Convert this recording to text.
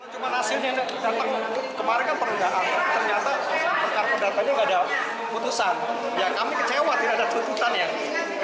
putusannya kita ditolak